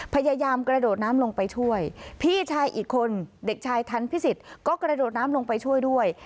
พยายามกระโดดน้ำลงไปช่วยพี่ชายอีกคนเด็กชายทันพิสิทธิ์ก็กระโดดน้ำลงไปช่วยด้วย